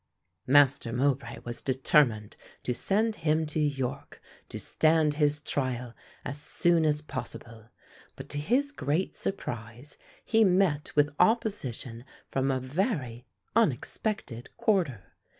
Master Mowbray was determined to send him to York to stand his trial as soon as possible, but to his great surprise he met with opposition from a very unexpected quarter.